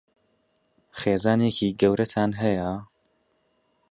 خێزانێکی گەورەتان هەیە؟